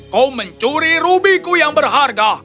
kau mencuri rubiku yang berharga